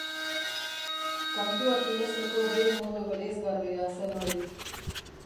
Kantuak idazteko bere modu bereizgarria zen hori.